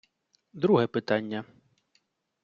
Друге питання.